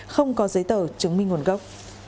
không có giấy tờ chứng minh nguồn gốc